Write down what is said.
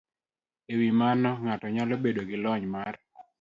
E wi mano, ng'ato nyalo bedo gi lony mar